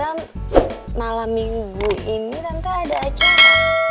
tante malam minggu ini tante ada acara